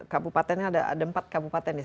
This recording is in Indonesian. kabupatennya ada empat kabupaten